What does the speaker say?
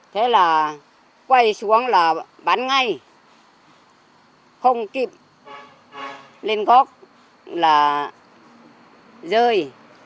thế là quay xuống là bắn ngay không kịp lên góc là rơi